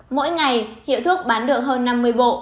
mỗi ngày hiệu thuốc bán được hơn năm mươi bộ